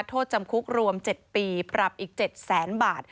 โทษจำคุกรวม๗ปีปรับอีก๗แสนบาท